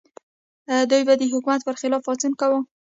دوی به د حکومت پر خلاف پاڅون کاوه.